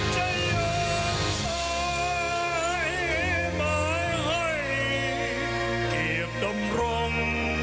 จะยอมสายหมายให้เกียรติดมรม